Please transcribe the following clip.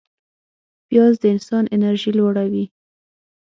پیاز د انسان انرژي لوړوي